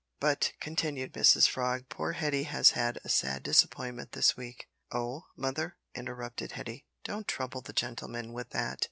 "But," continued Mrs Frog, "poor Hetty has had a sad disappointment this week " "Oh! mother," interrupted Hetty, "don't trouble the gentleman with that.